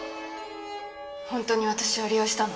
ほんとに私を利用したの？